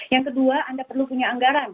yang kedua anda perlu punya anggaran